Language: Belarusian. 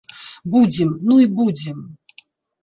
Будзем, ну й будзем.